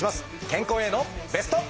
健康へのベスト。